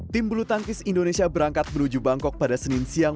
tim bulu tangkis indonesia berangkat menuju bangkok pada senin siang